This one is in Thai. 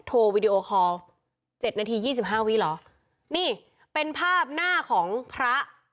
วีดีโอคอลเจ็ดนาทียี่สิบห้าวิเหรอนี่เป็นภาพหน้าของพระ